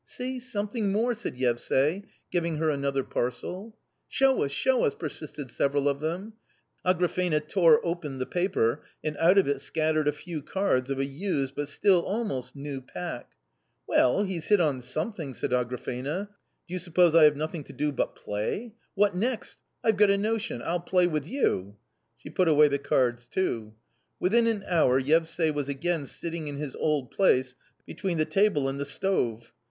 " See, something more !" said Yevsay, giving her another ^ parcel. k) 1 " Show us, show us !" persisted several of them. Agrafena >> ,v I tore open the paper, and out of it scattered a few cards of a (V I used but still almost new pack. "— 1" Well, he's hit on something !" said Agrafena ;" do you Ssuppose I have nothing to do but play ? what next ! I've got a notion. I'll play with you !" She put away the cards too. Within an hour Yevsay was again sitting in his old place between the table and the store.